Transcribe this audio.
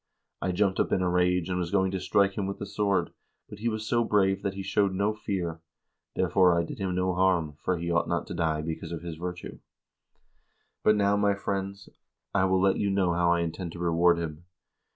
I jumped up in a rage and was going to strike him with the sword, but he was so brave that he showed no fear, therefore I did him no harm, for he ought not to die because of his virtue. But now, my friends, I will let you know how I intend to reward him.